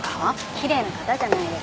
奇麗な方じゃないですか。